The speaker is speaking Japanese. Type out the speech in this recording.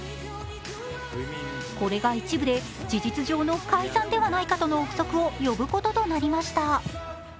これが一部で、事実上の解散ではないかとの臆測を呼ぶこととなりました。